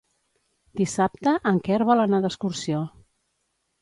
Dissabte en Quer vol anar d'excursió.